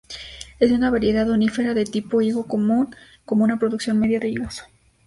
Es una variedad "unífera" de tipo higo común, con una producción media de higos.